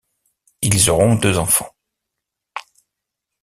Ils auront deux enfants.